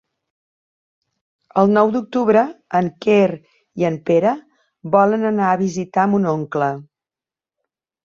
El nou d'octubre en Quer i en Pere volen anar a visitar mon oncle.